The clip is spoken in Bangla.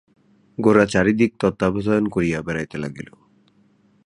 গোরা চারি দিক তত্ত্বাবধান করিয়া বেড়াইতে লাগিল।